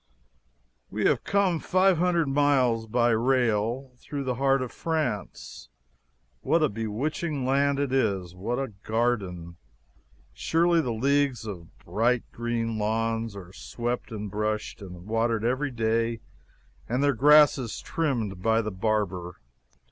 We have come five hundred miles by rail through the heart of France. What a bewitching land it is! What a garden! Surely the leagues of bright green lawns are swept and brushed and watered every day and their grasses trimmed by the barber.